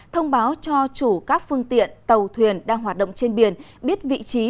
thông báo cho chủ các phương tiện tàu thuyền đang hoạt động trên biển biết vị trí